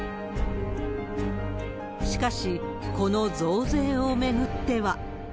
しかし、この増税を巡っては。